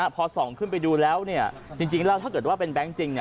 พอส่องขึ้นไปดูแล้วจริงแล้วถ้าเกิดว่าเป็นแบงค์จริง